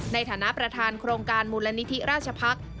ในฐานะประธานโครงการมูลนิธิราชพักษ์